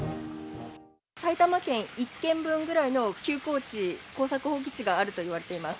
埼玉県１県分ぐらいの休耕地、耕作放棄地があるといわれています。